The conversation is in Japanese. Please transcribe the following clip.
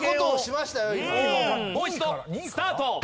もう一度スタート！